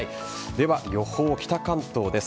では、予報北関東です。